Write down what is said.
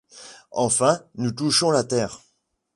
Enfin, nous touchons la terre !